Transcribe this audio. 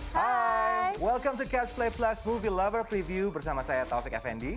hai selamat datang di catch play plus movie lover preview bersama saya taufik effendi